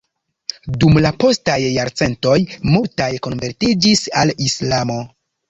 Dum la postaj jarcentoj multaj konvertiĝis al Islamo.